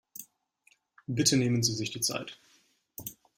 Bitte nehmen Sie sich die Zeit.